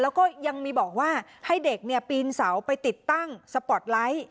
แล้วก็ยังมีบอกว่าให้เด็กปีนเสาไปติดตั้งสปอร์ตไลท์